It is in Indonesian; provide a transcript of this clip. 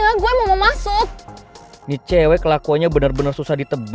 lupa yang apa itu kaya proses cepet lilinin deh saya siapkan ie dan ailem ternyata udah biasanya